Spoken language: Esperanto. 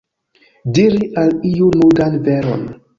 Diri al iu nudan veron.